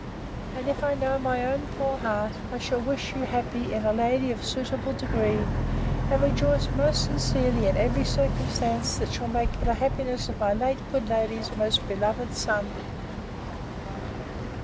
And, if I know my own poor heart, I shall wish you happy in a lady of suitable degree; and rejoice most sincerely in every circumstance that shall make for the happiness of my late good lady's most beloved son.